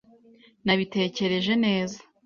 Nabitekereje neza.